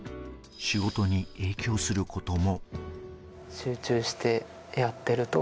仕事に影響することも。